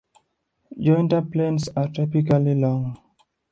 Jointer planes are typically long.